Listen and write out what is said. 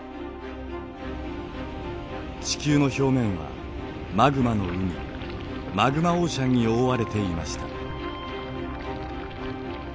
地球の表面はマグマの海マグマオーシャンに覆われていました。